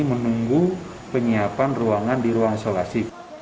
ini menunggu penyiapan ruangan di ruang isolasi baru